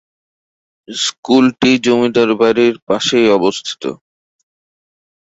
স্কুলটি জমিদার বাড়ির পাশেই অবস্থিত।